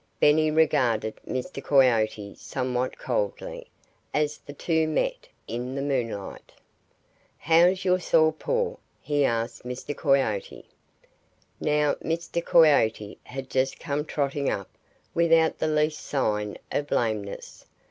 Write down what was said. Benny regarded Mr. Coyote somewhat coldly, as the two met in the moonlight. "How's your sore paw?" he asked Mr. Coyote. Now, Mr. Coyote had just come trotting up without the least sign of lameness.